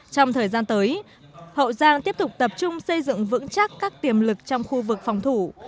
trong thời gian tới hậu giang tiếp tục tập trung xây dựng vững chắc các tiềm lực trong khu vực phòng thủ